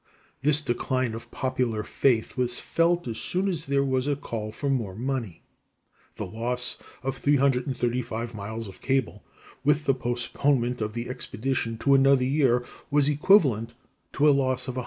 This decline of popular faith was felt as soon as there was a call for more money. The loss of 335 miles of cable, with the postponement of the expedition to another year, was equivalent to a loss of £100,000.